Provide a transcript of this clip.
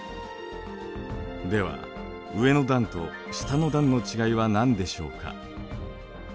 では上の段と下の段の違いは何でしょうか？